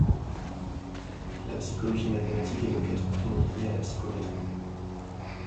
La psychologie mathématique est donc étroitement liée à la psychométrie.